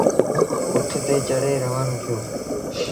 اُٺ تي چڙهي روآݩو ٿيٚو۔